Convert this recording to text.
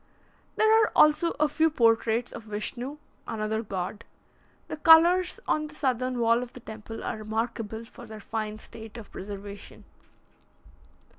There are also a few portraits of Vischnu, another god. The colours on the southern wall of the temple are remarkable for their fine state of preservation.